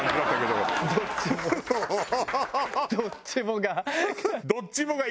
どっちもが。